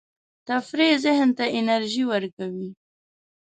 تفریح ذهن ته انرژي ورکوي.